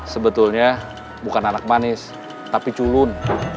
sebetulnya bukan anak manis tapi culun